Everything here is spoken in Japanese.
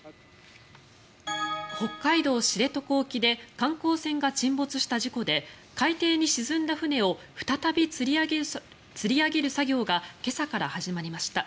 北海道・知床沖で観光船が沈没した事故で海底に沈んだ船を再びつり上げる作業が今朝から始まりました。